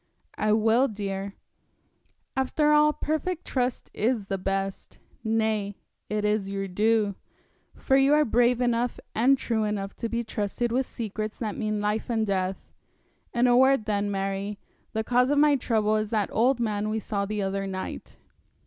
'I will, dear. After all perfect trust is the best; nay, it is your due, for you are brave enough and true enough to be trusted with secrets that mean life and death. In a word, then, Mary, the cause of my trouble is that old man we saw the other night.'